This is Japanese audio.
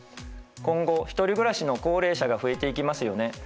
今後一人暮らしの高齢者が増えていきますよね。